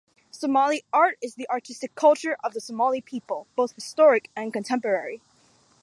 Somali art is the artistic culture of the Somali people, both historic and contemporary.